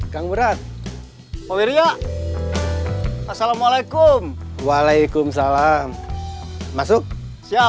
kang berat pauwiri ya assalamualaikum waalaikumsalam masuk siap